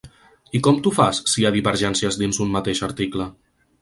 I com t’ho fas, si hi ha divergències dins un mateix article?